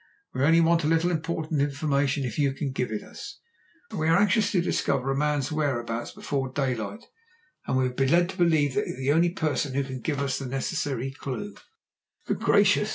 "We only want a little important information, if you can give it us. We are anxious to discover a man's whereabouts before daylight, and we have been led to believe that you are the only person who can give us the necessary clue." "Good gracious!